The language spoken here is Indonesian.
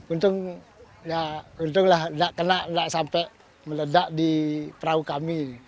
untung ya untung lah nggak kena nggak sampai meledak di perahu kami